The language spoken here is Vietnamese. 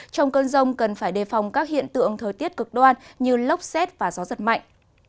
trong cơn rông cần phải đề phòng các hiện tượng thời tiết cực đoan như lốc xét và gió giật mạnh